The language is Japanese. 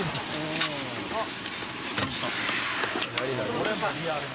これもリアルな。